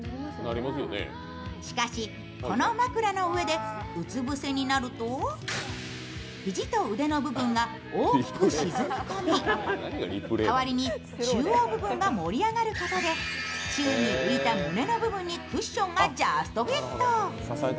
しかし、この枕の上でうつ伏せになると肘と腕の部分が大きく沈み込み、代わりに中央部分が盛り上がることで宙に浮いた胸の部分にクッションがジャストフィット。